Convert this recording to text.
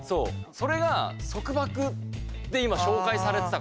それが束縛って今紹介されてたから。